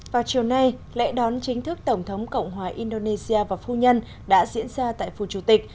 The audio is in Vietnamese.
vào chiều nay lễ đón chính thức tổng thống cộng hòa indonesia và phu nhân đã diễn ra tại phù chủ tịch